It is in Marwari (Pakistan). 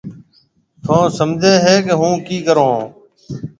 ٿُون سمجهيََ هيَ ڪي هُون ڪِي ڪرون هون۔